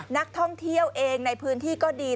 นักท่องเที่ยวเองในพื้นที่ก็ดี